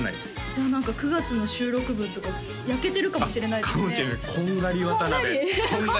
じゃあ９月の収録分とか焼けてるかもしれないですねかもしれないこんがり渡部こんがり？